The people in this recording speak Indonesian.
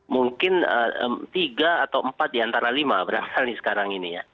mungkin tiga atau empat di antara lima berasal nih sekarang ini ya